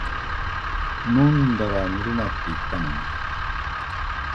飲んだら乗るなって言ったのに